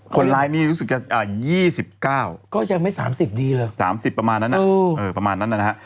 คนร้ายนี่รู้สึกอย่าง๒๙ก็ยังไม่๓๐ดีหรือว่ะ๓๐ประมาณนั้นน่ะ